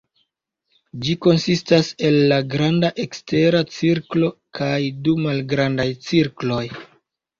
Ĝi konsistas el la granda ekstera cirklo kaj du malgrandaj cirkloj.